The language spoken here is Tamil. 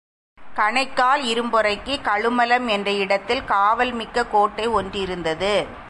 கணைக்கால் இரும்பொறைக்குக் கழுமலம் என்ற இடத்தில் காவல் மிக்க கோட்டை ஒன்றிருந்தது.